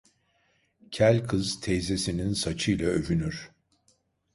Kel kız teyzesinin saçıyla övünür.